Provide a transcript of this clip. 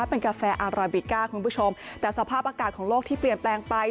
เป็นกาแฟอาราบิก้าคุณผู้ชมแต่สภาพอากาศของโลกที่เปลี่ยนแปลงไป